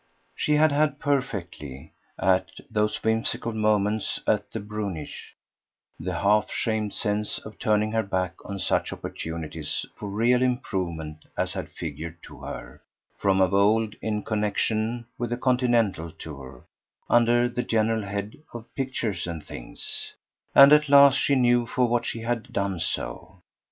She had had perfectly, at those whimsical moments on the Brunig, the half shamed sense of turning her back on such opportunities for real improvement as had figured to her, from of old, in connexion with the continental tour, under the general head of "pictures and things"; and at last she knew for what she had done so.